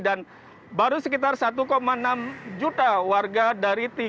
dan baru sekitar satu enam juta warga bali